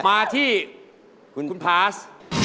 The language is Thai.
มาที่คุณพาส